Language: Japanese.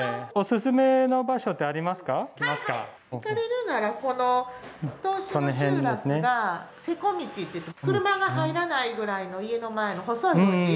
行かれるならこの答志の集落がせこ道っていって車が入らないぐらいの家の前の細い路地。